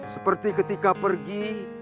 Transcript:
seperti ketika pergi